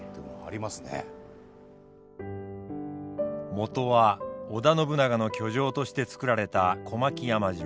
元は織田信長の居城として造られた小牧山城。